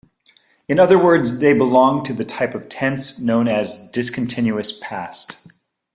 In other words, they belong to the type of tense known as discontinuous past.